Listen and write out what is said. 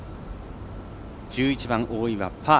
１１番、大岩、パー。